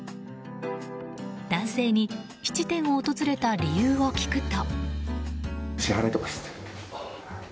男性に質店を訪れた理由を聞くと。